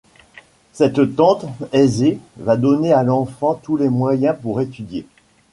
Cette tante, aisée, va donner à l'enfant tous les moyens pour étudier.